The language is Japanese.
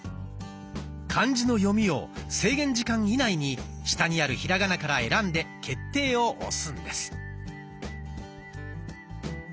漢字の読みを制限時間以内に下にあるひらがなから選んで「決定」を押すんです。